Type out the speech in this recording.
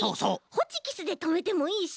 ホチキスでとめてもいいし。